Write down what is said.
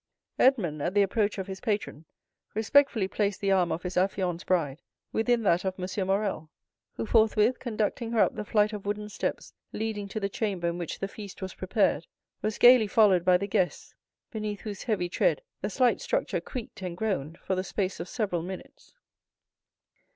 Edmond, at the approach of his patron, respectfully placed the arm of his affianced bride within that of M. Morrel, who, forthwith conducting her up the flight of wooden steps leading to the chamber in which the feast was prepared, was gayly followed by the guests, beneath whose heavy tread the slight structure creaked and groaned for the space of several minutes.